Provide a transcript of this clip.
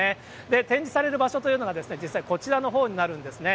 展示される場所というのが、実際、こちらのほうになるんですね。